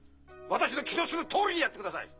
私の気の済むとおりにやってください！